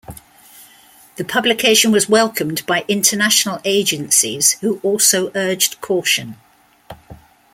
The publication was welcomed by international agencies, who also urged caution.